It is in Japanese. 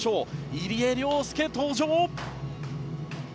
入江陵介、登場。